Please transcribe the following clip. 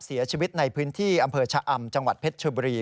เสียชีวิตในพื้นที่อำเภอชะอำจังหวัดเพชรชบุรี